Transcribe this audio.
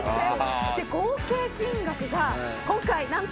合計金額が今回何と。